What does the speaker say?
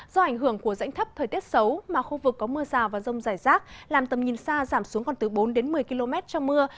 do ảnh hưởng của rãnh thấp thời tiết xấu mà khu vực có mưa rào và rông rải rác làm tầm nhìn xa giảm xuống còn từ bốn đến một mươi km trong mưa